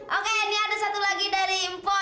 oke ini ada satu lagi dari mpo trio macet